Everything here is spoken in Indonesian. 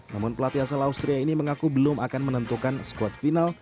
namun pelatih asal austria ini mengaku belum akan menentukan squad final